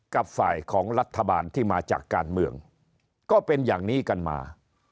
กับฝ่ายของรัฐบาลที่มาจากการเมืองก็เป็นอย่างนี้กันมา